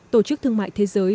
tổ chức thương mại thế giới